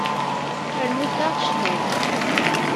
Rrnut-aɣ ccḍuḍ.